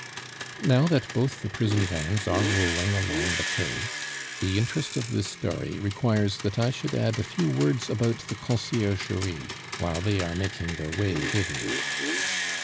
Now that both the prison vans are rolling along the Quai, the interest of this story requires that I should add a few words about the Conciergerie, while they are making their way thither.